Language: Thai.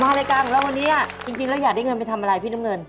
มารายการของเราวันนี้จริงแล้วอยากได้เงินไปทำอะไรพี่น้ำเงิน